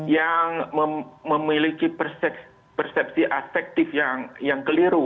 yang memiliki persepsi asektif yang keliru